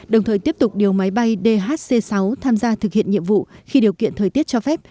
đồng thời tiếp tục điều máy bay dhc sáu tham gia thực hiện nhiệm vụ khi điều kiện thời tiết cho phép